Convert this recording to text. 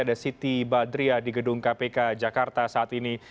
ada siti badriah di gedung kpk jakarta saat ini